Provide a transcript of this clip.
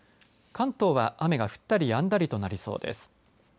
関東は雨が降ったりやんだりとなりそうです。